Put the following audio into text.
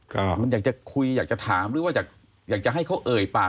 ก็มันอยากจะคุยอยากจะถามหรือว่าอยากอยากจะให้เขาเอ่ยปาก